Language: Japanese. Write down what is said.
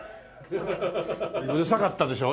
うるさかったでしょ？